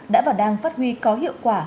đã và đang phát huy có hiệu quả